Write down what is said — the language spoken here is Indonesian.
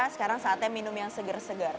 sekarang saatnya minum yang seger seger